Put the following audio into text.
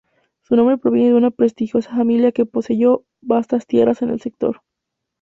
Su nombre proviene de una prestigiosa familia que poseyó vastas tierras en el sector.